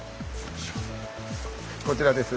こちらです。